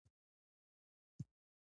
هغه خپله رمه خرڅوي.